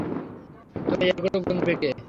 তো এগুলো গুণবে কে?